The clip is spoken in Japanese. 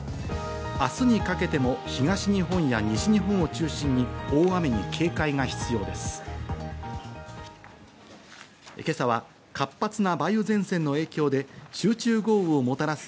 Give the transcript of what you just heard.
明日にかけても東日本や西日本を中心に大雨に警戒が必要です。